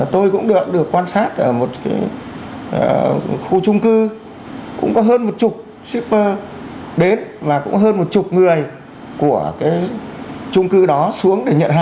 tôi cũng được quan sát ở một khu trung cư cũng có hơn một chục shipper đến và cũng hơn một chục người của trung cư đó